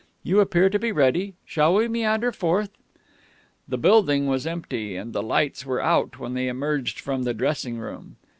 You appear to be ready. Shall we meander forth?" The building was empty and the lights were out when they emerged from the dressing room.